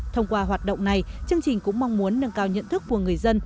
thông qua hoạt động này chương trình cũng mong muốn nâng cao nhận thức của người dân